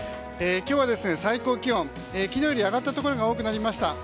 今日は最高気温、昨日より上がったところが多くなりました。